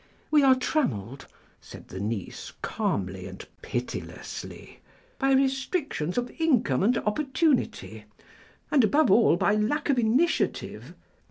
"We are trammelled," said the niece, calmly and pitilessly, "by restrictions of income and opportunity, and above all by lack of initiative.